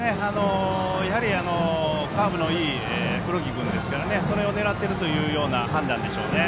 カーブのいい黒木君ですからそれを狙っているという判断でしょうね。